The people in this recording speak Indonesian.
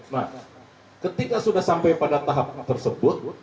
nah ketika sudah sampai pada tahap tersebut